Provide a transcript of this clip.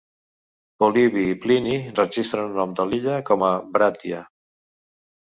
Polibi i Plini registren el nom de l'illa com a "Brattia".